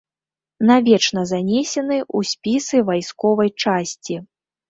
Навечна занесены ў спісы вайсковай часці.